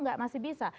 tidak masih bisa